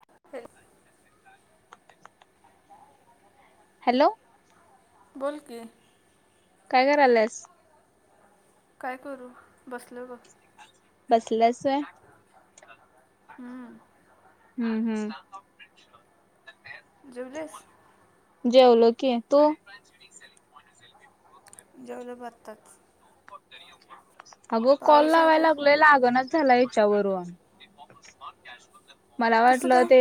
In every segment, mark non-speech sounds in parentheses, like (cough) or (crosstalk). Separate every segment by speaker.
Speaker 1: (inaudible)
Speaker 2: Hello!
Speaker 1: बोल की,
Speaker 2: काय करायलास?
Speaker 1: काय करू? बसलोय बग.
Speaker 2: बसलायस होय?
Speaker 1: हम्म.
Speaker 2: हम्म हम्म.
Speaker 1: जेवलीस?
Speaker 2: जेवलो की, तू? (inaudible)
Speaker 1: जेवलो बग आताच.
Speaker 2: अगं कॉल
Speaker 1: पाऊस आहे
Speaker 2: लावाय
Speaker 1: काय
Speaker 2: लागलोय लागनाच झालाय याच्यावरून, मला
Speaker 1: कसं
Speaker 2: वाटलं
Speaker 1: काय
Speaker 2: ते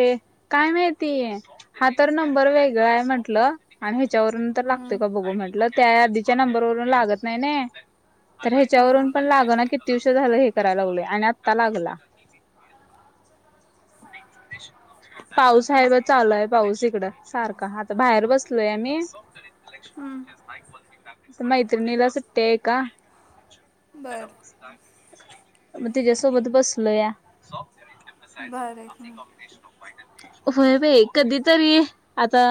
Speaker 2: काय माहितीय, हा तर नंबर वेगळा आहे म्हंटलं. आणि ह्याच्यावरून तर लागतय
Speaker 1: हम्म,
Speaker 2: का बघू म्हटलं, त्या आधीच्या नंबरवरून लागत नाही ना. तर
Speaker 1: हां हां
Speaker 2: ह्याच्यावरून पण लाग ना, किती उशीर झालं हे कराय लागलोय आणि आत्ता लागला. पाऊस आहे बग, चालुय पाऊस इकड. सारखा, आता बाहेर बसलोय आम्ही.
Speaker 1: हम्म,
Speaker 2: मैत्रिणीला सुट्टी आहे का?
Speaker 1: बरं
Speaker 2: म तिच्यासोबत बसलोया. (inaudible)
Speaker 1: बरं आहे की मग.
Speaker 2: होय बई, कधी तरी आता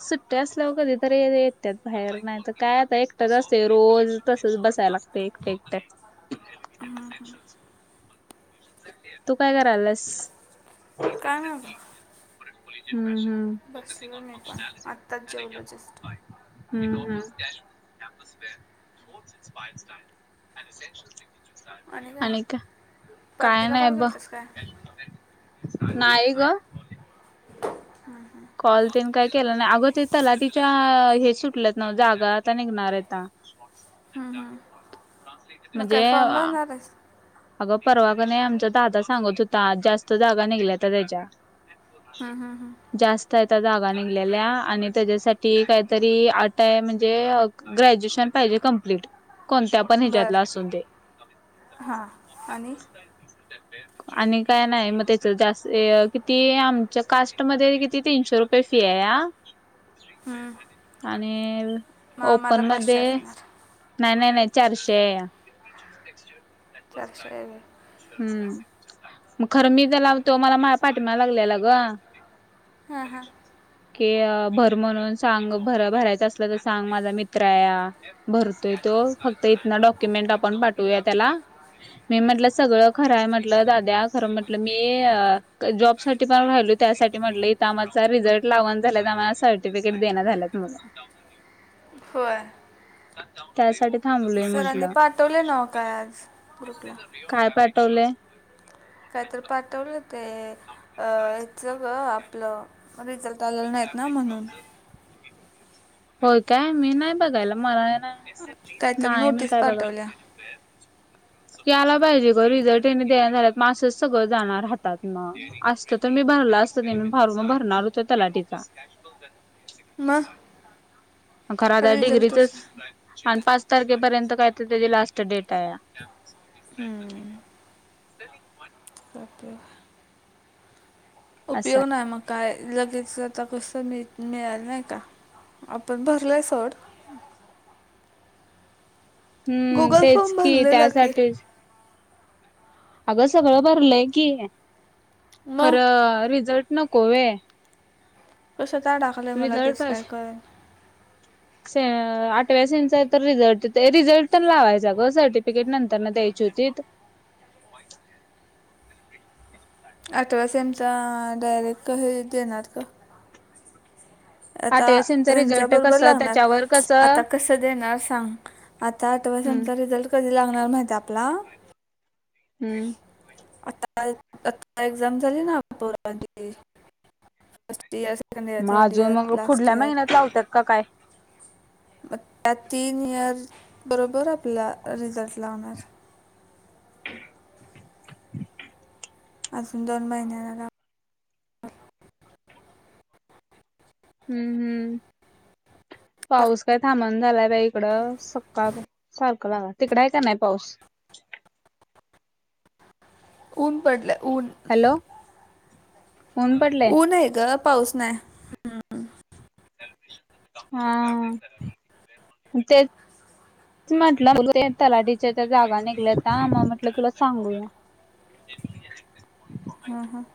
Speaker 2: सुट्ट्या असल्यावर कधीतरी येत्यात बाहेर, नाही तर काय आता एकटाच असतय रोज तसच बसायला लागत एकट- एकट. तू काय करायलास?
Speaker 1: काय नाही.
Speaker 2: हम्म हम्म.
Speaker 1: बसलो मी पण, आत्ताच जेवलो जस्ट.
Speaker 2: हम्म हम्म.
Speaker 1: आणि काय
Speaker 2: आणिक? काय
Speaker 1: परतीला
Speaker 2: नाही
Speaker 1: कॉल केलतास काय
Speaker 2: बग,
Speaker 1: हम्म,
Speaker 2: नाही ग. कॉल तेन काय केलं नाही, अग ते तलाठी च्या हे सुटल्यात ना जागा आता निघणार आहेता. (inaudible)
Speaker 1: हम्म हम्म, मग काय
Speaker 2: म्हणजे
Speaker 1: फॉम भरणारयस?
Speaker 2: अगं परवा कनाय आमचा दादा सांगत होता, जास्त जागा निघल्यात त्याच्या.
Speaker 1: हम हम हम.
Speaker 2: जास्त यता जागा निघलेल्या आणि त्याच्यासाठी काहीतरी आटाय म्हणजे ग्रॅज्युएशन पाहिजे कंप्लीट, कोणत्या पण हिच्यातला
Speaker 1: बरं
Speaker 2: असून दे.
Speaker 1: हां, आणि?
Speaker 2: (inaudible) आणि काय नाही मग, त्याच जास्त किती आमच्या कास्ट मध्ये किती तीनशे रुपय तशी आहेया,
Speaker 1: हम्म,
Speaker 2: आणि
Speaker 1: मग आम्हाला
Speaker 2: ओपन
Speaker 1: पाचशे
Speaker 2: मध्ये,
Speaker 1: असणार
Speaker 2: नाही नाही नाही चारशे आहेया. बस
Speaker 1: चारशे
Speaker 2: कायच
Speaker 1: वेगळे
Speaker 2: नाही. हुं. मग खरं मी त्याला, तो मला माझ्या पाठीमाग लागलेला ग.
Speaker 1: हा हा.
Speaker 2: कि भर म्हणून सांग. भर भरायचं असलं, तर सांग माझा मित्र हाया. भरतोय तो. फक्त इथन डॉक्युमेंट आपण पाठवूया त्याला. मी म्हंटलं सगळं खराय म्हटलं दाद्या, खरं म्हंटलं मी जॉब साठी पण राहिलोय त्यासाठी म्हटलं त्या आमाचा रिझल्ट लावण झाल्यात, आमला सर्टिफिकेट देईना झाल्यात म्हणून.
Speaker 1: होय.
Speaker 2: त्यासाठी थांबलोय म्हटल.
Speaker 1: पाठवलय नव काय आज ग्रुपला.
Speaker 2: काय पाठवलय?
Speaker 1: कायतर पाठवलय ते अ याच ग, आपलं रिझल्ट लागल नाहीत ना म्हणून
Speaker 2: होय काय, मी नाही बघायला. मला नाही
Speaker 1: काय तर
Speaker 2: नाही मी
Speaker 1: नोटीस
Speaker 2: काय बघा
Speaker 1: पाठवल्या
Speaker 2: तेच. याला पाहिजे ग, रिझल्ट हेणि देना झाल्यात, म आसच सगळं जाणार हातात न. आसतं तर, मी भरला असता काय नाही, फॉर्म भरणार होतो तलाटीचा.
Speaker 1: म.
Speaker 2: खर आता तर डिग्रीचच आणि पाच तारखेपर्यंत काय तर त्याची लास्ट डेट हाया.
Speaker 1: हुं.
Speaker 2: Selling one.
Speaker 1: (unintelligible)
Speaker 2: असं
Speaker 1: उपयोग नाही म. काय लगेच आता कसं मि मिळाल नाही का? आपण भरलंय सोड.
Speaker 2: हुं.
Speaker 1: गुगल
Speaker 2: तेच
Speaker 1: फॉर्म
Speaker 2: की,
Speaker 1: भरलेला की
Speaker 2: त्यासाठीच आगं सगळं भरलंय की.
Speaker 1: मग
Speaker 2: खरं, रिझल्ट नको व्हय.
Speaker 1: कशात आडाकलंय, मला
Speaker 2: रिझल्ट
Speaker 1: तेच
Speaker 2: पाहिजे
Speaker 1: काय कळना.
Speaker 2: से आठव्या सेंमचा हाय तर, रिझल्ट रिझल्ट तर लावायचा ग, सर्टिफिकेट नंतर न द्यायची होती. (unintelligible)
Speaker 1: अठव्या सेमचा डायरेक्ट हे देणार का? आता
Speaker 2: आठव्या सेमचा
Speaker 1: यांच्या
Speaker 2: रिझल्ट
Speaker 1: बरोबर
Speaker 2: कसं
Speaker 1: लागणार,
Speaker 2: त्याच्यावर
Speaker 1: आता कसं देणार सांग. आता आठव्या
Speaker 2: हम्म
Speaker 1: सेमचा रिझल्ट कधी लागणार माहित हाय आपला
Speaker 2: हू.
Speaker 1: आता आता एक्झाम झाली ना पोरांची असती (unintelligible)
Speaker 2: म अजून मग पुढल्या महिन्यात लावत्यात का काय?
Speaker 1: मग त्या तीन इयर बरोबर आपला रिझल्टस लावणार. अजून दोन महिन्यांन लाव
Speaker 2: हू हुं.
Speaker 1: लाग-
Speaker 2: पाऊस काय थांब ना झालाय बाई इकडं. सकाळ पा सारखं लागा तिकड हाय का नाही पाऊस
Speaker 1: ऊन पडलं ऊन.
Speaker 2: हॅलो, ऊन पडलय.
Speaker 1: ऊन हाय ग. पाऊस नाही.
Speaker 2: हा हा. तेच म्हटलं, ते तलाठीच्या त्या जागा निघल्याता म्हणून म्हटलं तुला सांगूया. (inaudible)
Speaker 1: हां हां-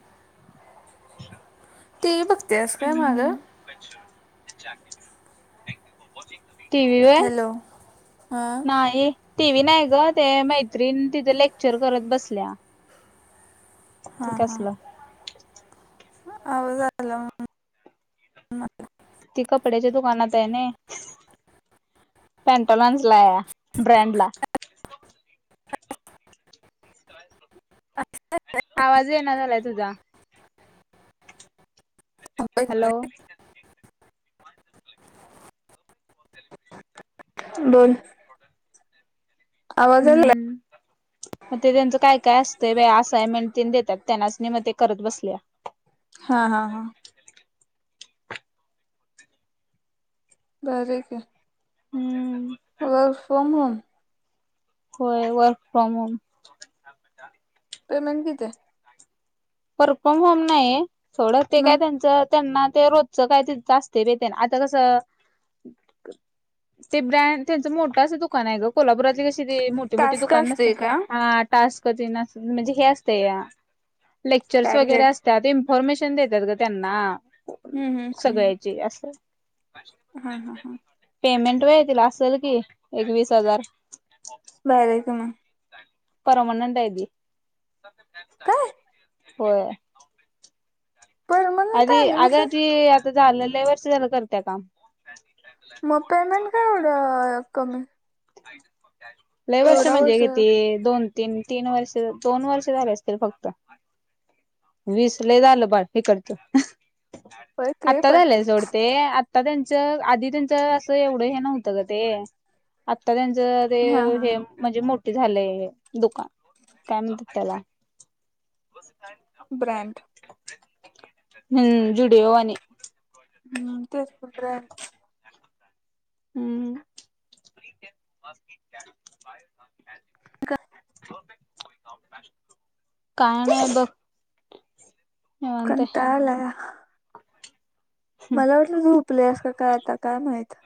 Speaker 2: (inaudible)
Speaker 1: टि व्ही बघत्यास काय माघ?
Speaker 2: (inaudible) टि व्ही वय,
Speaker 1: हॅलो हां
Speaker 2: नाही. टी व्ही नाही ग ते मैत्रीण तिथ लेक्चर करत बसल्या- ते
Speaker 1: हां हां
Speaker 2: कसलं
Speaker 1: आवाज आला -
Speaker 2: ती कपड्याच्या दुकानात हायनायी. पॅन्टालाॅन्जला ब्रँड ला- आवाज ये ना झालाय तुझा- हॅलो
Speaker 1: (inaudible) बोल- आवाज आला
Speaker 2: हुं ते त्यांचं काय काय असतंय बाय असाइनमेंट- तेन देत्यात त्यांनास नी मग ते करत बसल्या-
Speaker 1: हां हां - बरयं की-
Speaker 2: हम्म
Speaker 1: वर्क फाॅर्म होम.
Speaker 2: होय, वर्क फ्रॉम होम.
Speaker 1: पेमेंट कितीसं?
Speaker 2: वर्क फ्रॉम होम नाही सोड ते काय
Speaker 1: मग
Speaker 2: त्यांच- त्यांना ते रोजचं काय ते तिचं आसतय बायते आता कसं- ते ब्रँड त्यांचं मोठं असं दुकान आहे ग कोल्हापुरातची कशी- तिथे मोठे मोठीे
Speaker 1: टास्क
Speaker 2: दुकान
Speaker 1: असते
Speaker 2: नसतयं
Speaker 1: का
Speaker 2: हां टास्क तेन आस म्हणजे हे असतयं- लेक्चर्स वगैरे
Speaker 1: टार्गेट
Speaker 2: असत्यात इन्फॉर्मेशन देतात गं
Speaker 1: हम्म हम्म
Speaker 2: त्यांना- सगळ्याची असं-
Speaker 1: हां हां हां-
Speaker 2: पेमेंट वय तिला असलं की एक वीसहजार-
Speaker 1: भारीयें की मग.
Speaker 2: परमनंट ती
Speaker 1: काय
Speaker 2: होय.
Speaker 1: परमनंट
Speaker 2: आधी
Speaker 1: आणि
Speaker 2: अग
Speaker 1: विशेष
Speaker 2: ती आता झालं लय वर्ष झालं करत्या काम-
Speaker 1: मग पेमेंट काय एवढं कमी?
Speaker 2: लय वर्ष म्हणजे किती दोन- तीन तीन वर्ष दोन वर्ष झाल असतील फक्त- वीस लय झालं बाळ हिकडच,
Speaker 1: ते
Speaker 2: आत्ता
Speaker 1: पण
Speaker 2: झालंय सोड- ते आता त्यांच आधी त्यांच असं एवढ हे नव्हतं ग ते आता त्यांच- जे
Speaker 1: हा हा
Speaker 2: हे म्हणजे मोठी झालेय दुकान काय म्हणत्यात त्याला-
Speaker 1: ब्रँड-
Speaker 2: हुं जुडओ वानी-
Speaker 1: हुं तेच तर ब्रँड-
Speaker 2: हुं- काय नाय बघ- निवांत आहे
Speaker 1: कंटाळा आलाया- मला वाटलं झोपल्यास का काय आता काय माहित-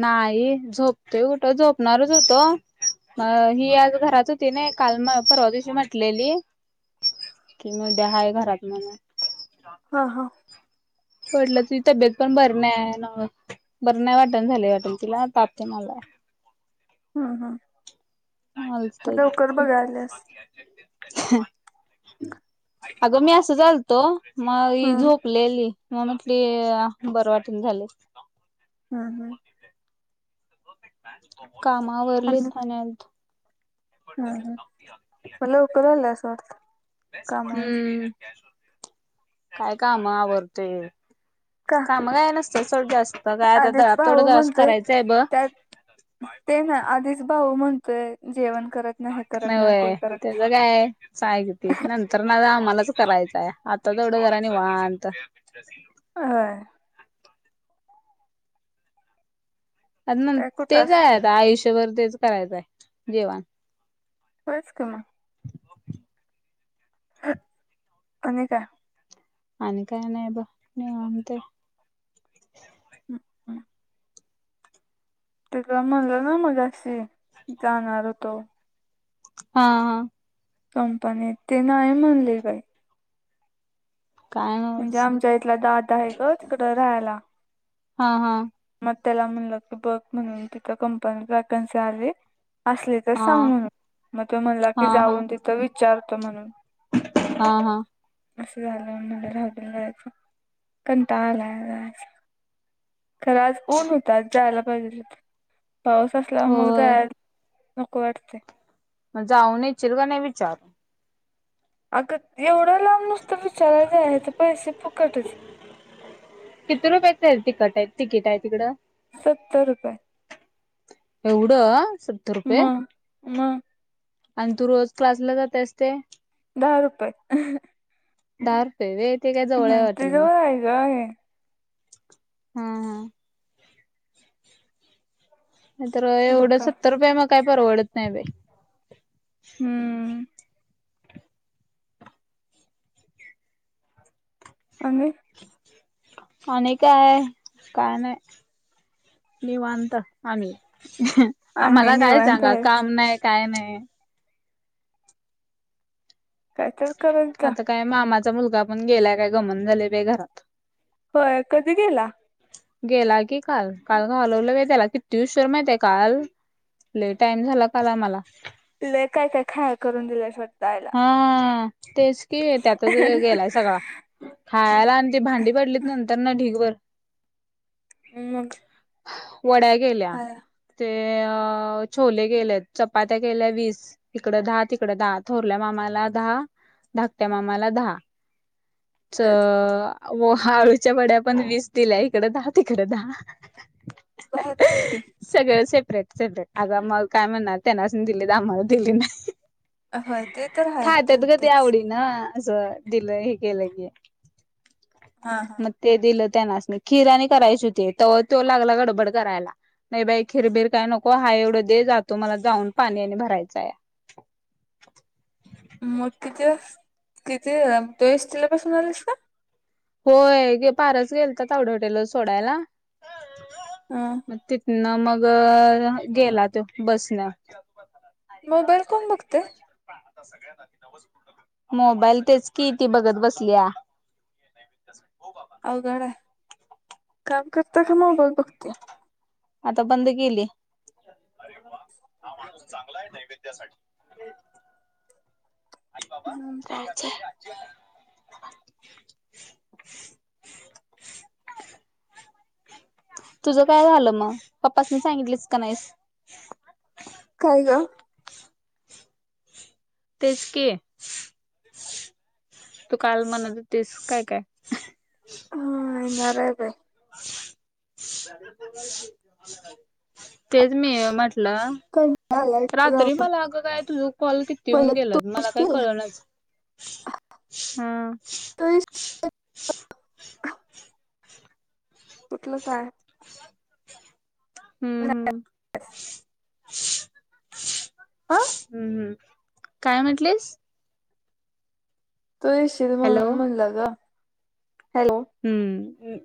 Speaker 2: नाही, झोपत कुठं झोपणारच होतो- अं ही आज घरात होती ना काल म परवा दिवशी म्हंटलेली- कि उद्या हाय घरात म्हणून- आ.
Speaker 1: हां हां.
Speaker 2: म्हटलं तिजी तब्येत पण बर नाही बरं नाही वाटण झाले वाटल तिला ताप तेन आलाय.
Speaker 1: हम् हम.
Speaker 2: आलतत.
Speaker 1: बघायल्यास
Speaker 2: ह अगं मी आसच आलतो मग ही
Speaker 1: हम्म
Speaker 2: झोप लेली म्हणून ती बर वाटना झालय.
Speaker 1: ह ह.
Speaker 2: काम आवरलीत आणि आलो.
Speaker 1: हां हां म लवकर आलिय असात?
Speaker 2: हम्म काय काम आवरतेय.
Speaker 1: का?
Speaker 2: मया नसतंय सोड जास्त काय आता
Speaker 1: आधीच
Speaker 2: दलाप तेवढं
Speaker 1: भाऊ
Speaker 2: जरासं
Speaker 1: म्हणतोय
Speaker 2: करायचंय ब.
Speaker 1: त्यात ते ना आधीच भाऊ म्हणतोय जेवण करत नाही
Speaker 2: नहि
Speaker 1: करत ना ते
Speaker 2: होय
Speaker 1: करत
Speaker 2: त्याच काय. साय घेतीस नंतर ना आम्हालाच करायचंय आता तेवढं जरा निवांत.
Speaker 1: होय.
Speaker 2: आ न
Speaker 1: काय कुठं
Speaker 2: तेच
Speaker 1: अस
Speaker 2: आहे आता आयुष्यभर तेच करायचं आहे जेवण.
Speaker 1: होयचं का म. तुम्ही का?
Speaker 2: आणि काय नाही ब निवांत हे.
Speaker 1: ह ह. तिला म्हणलो ना मगाशी जाणार होतो.
Speaker 2: हा हा.
Speaker 1: कंपनीत ते नाही म्हणले बाई.
Speaker 2: काय न्हवच.
Speaker 1: हा इतला दादा आहे ग तिकडं राहायला
Speaker 2: हां हां.
Speaker 1: मग त्याला म्हणलं की बघ म्हणून तिथ कंपनित व्हॅकन्सी आली असली तर
Speaker 2: हा
Speaker 1: सांग म्हणून मग तो म्हणला
Speaker 2: हा
Speaker 1: की जाऊन तिथं विचारतो म्हणून.
Speaker 2: थड थड हा हा.
Speaker 1: असं झालं म्हनल राहुंदे जायचं कंटाळा आलाय जायचा. खरं आज ऊन होत आज जायला पाहिजेल होत पाऊस असला मग
Speaker 2: होय
Speaker 1: जायला नको वाटतंय.
Speaker 2: म जाऊन येचील कणी विचार.
Speaker 1: अगं एवढं लांब नुसतं विचाराय जायचं पैसे फुकटच.
Speaker 2: किती रुपयाच आहेत तखट आहे तिकीट आहे तिकडं?
Speaker 1: सत्तर रुपये.
Speaker 2: एवढं सत्तर रुपये?
Speaker 1: मग मग
Speaker 2: आणि तू रोज क्लासला जातेस ते?
Speaker 1: दहा रुपये अह.
Speaker 2: दहा रुपये वय तेे काय जवळ आहे वाटेल मग
Speaker 1: त्याच्यावर आहे ग हे
Speaker 2: हा हा. नाही तर एवढं
Speaker 1: डोका
Speaker 2: सत्तर रुपये मग काही परवडत नाही बाई.
Speaker 1: हम्मं. आणिे?
Speaker 2: आणि कायं कायं नाहीं निवांत आम्हीं.
Speaker 1: आणि
Speaker 2: आमलां कायं
Speaker 1: निवांत
Speaker 2: सांगा
Speaker 1: आहे
Speaker 2: कामं नाहीं कायं नाहीं.
Speaker 1: कायं तरं करतं जां.
Speaker 2: कायं मामाचां मुलंगा पणं गेलांय कायं गमेना झाले बाई घरांत.
Speaker 1: होयं कधीं गेलां
Speaker 2: गेलां की कांल कांल घालवलं गं त्यांला किती ऊशिर माहिती कांल लंय टाईम झालां कांल आम्हांला
Speaker 1: लंय कायं कायं खां करूंन दिल्यांय शटतं
Speaker 2: हं तेचं की त्यांतचं वेळं गेलांय सगळां हां रात्री भांडी पडलीत नंतर नां ढीगभरं
Speaker 1: मंग
Speaker 2: वड्यां गेल्यां ते छोले केले चपात्यां केल्यां वीस तिकडं दहा तिकडं दहा थोरल्यां मामालां दहा धाकट्यां मामालां दहा चं हो आळूंच्या वड्यां पणं वीस दिल्यां इकडं दहा तिकडं दहा
Speaker 1: भारी आहे की
Speaker 2: सगळं सेपरेट सेपरेट आंग आम्हांला कायं म्हणणांर त्यांनां दिले तरं आम्हांला दिली नाहीं
Speaker 1: होय ते तर हाय ते
Speaker 2: खांतात गं ती
Speaker 1: होतच
Speaker 2: आवडी नां असं दिलं हे केलं की
Speaker 1: हां हां
Speaker 2: मंग ते दिलं त्यांनास मं खिर आणी करांयची होती ते तो लागंला गडबड करायलां नाहीं बाई खिरबीर कायं नको हां एवढं दे जातो मलां जाऊंन पाणी आणि भरांयचां आहे
Speaker 1: मंग किती किती तुंस तिलांपासून आलीस कां
Speaker 2: होयं पारंस चं गेलं तां तावडेवाडिलां सोडांयला
Speaker 1: हां
Speaker 2: मंग तिथंन मंग गेलां तो बसं लां
Speaker 1: मोबाईल कोणं बघते?
Speaker 2: मोबाईल तेचं कि ती बघतं बसलीयां हो बाबां
Speaker 1: अवघडं आहे कामं करतां की मोबाईल बघते
Speaker 2: आंता बंद केली हां माणूंस चांगला आहे नैवेद्यासाठी
Speaker 1: हम्मं चालतंय
Speaker 2: (unintelligible) तुझं कायं झालं मंग पप्पांस मी सांगितलेचं की नाहींस
Speaker 1: कायं गं
Speaker 2: तेचं तूं कांल म्हणतं होती कायं कायं
Speaker 1: हम्मं बरं आहे बाई
Speaker 2: तेचं मी म्हटलं
Speaker 1: कायं
Speaker 2: रात्री मलां अगं कायं तुझं कॉल किती येऊंन
Speaker 1: मला तू
Speaker 2: गेलं मलां कायं
Speaker 1: येशील
Speaker 2: कळणां चं
Speaker 1: तू येशील
Speaker 2: हां
Speaker 1: कुठलं कायं
Speaker 2: हम्म हम हम्म हम्म
Speaker 1: हा
Speaker 2: काय म्हटलीस?
Speaker 1: तु येशील
Speaker 2: हॅलो
Speaker 1: म्हणून म्हणल ग. हॅलो
Speaker 2: हम्म